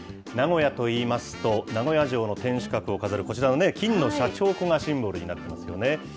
名古屋といいますと、名古屋城の天守閣を飾るこちらの金のしゃちほこがシンボルになっていますよね。